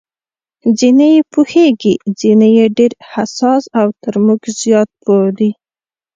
ځینې یې پوهېږي، ځینې یې ډېر حساس او تر موږ زیات پوه دي.